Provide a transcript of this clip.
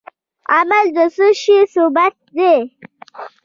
عمل د څه شي ثبوت دی؟